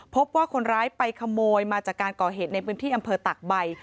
พบว่าคนร้ายไปขโมยมาจากการก่อเหตุในพื้นที่อำเภอตากใบ